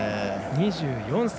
２４歳。